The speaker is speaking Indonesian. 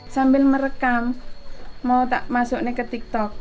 sambil merekam mau masuk ke tiktok